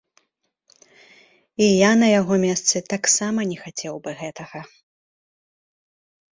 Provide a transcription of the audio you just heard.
І я на яго месцы таксама не хацеў бы гэтага.